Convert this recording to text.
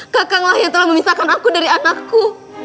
kakanglah yang telah memisahkan aku dari anakku